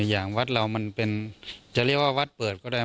อย่างวัดเรามันเป็นจะเรียกว่าวัดเปิดก็ได้